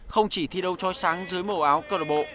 không chỉ thi đấu trói sáng dưới màu áo club